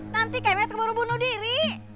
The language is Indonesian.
nanti kemet baru bunuh diri